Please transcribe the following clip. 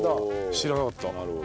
知らなかった。